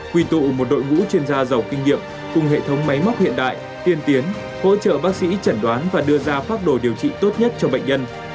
quy tụ một đội ngũ chuyên gia giàu kinh nghiệm cùng hệ thống máy móc hiện đại tiên tiến hỗ trợ bác sĩ chẩn đoán và đưa ra pháp đồ điều trị tốt nhất cho bệnh nhân